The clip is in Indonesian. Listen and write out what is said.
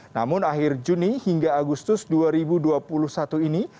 namun akhir juni hingga agustus dua ribu dua puluh satu ini